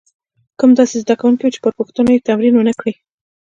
کم داسې زده کوونکي وو چې پر پوښتنو تمرین ونه کړي.